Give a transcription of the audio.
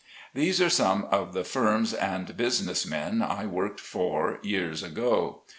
These are some of the firms and business men I worked for years ago.